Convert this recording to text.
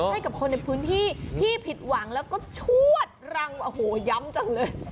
ให้กับคนในพื้นที่ที่ผิดหวังแล้วก็ชวดรังโอ้โหย้ำจังเลย